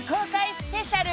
スペシャル